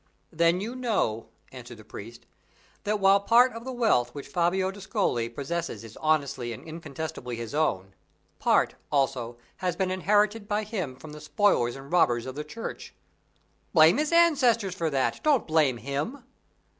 "Then you know," answered the priest, "that while part of the wealth which Fabio d'Ascoli possesses is honestly and incontestably his own; part, also, has been inherited by him from the spoilers and robbers of the Church " "Blame his ancestors for that; don't blame him."